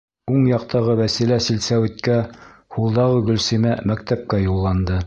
Уң яҡтағы Вәсилә силсәүиткә, һулдағы Гөлсимә мәктәпкә юлланды.